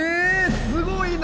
すごいな！